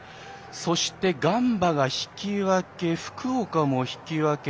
そして、ガンバが引き分け福岡も引き分け。